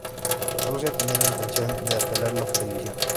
Rusia tenía la intención de apelar la prohibición.